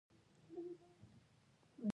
پوهه تر لاسه کړئ